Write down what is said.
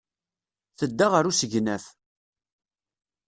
Tedda ɣer usegnaf.